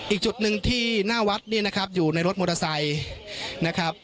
อีกจุดหนึ่งที่หน้าวัดเนี่ยนะครับอยู่ในรถมอเตอร์ไซค์นะครับ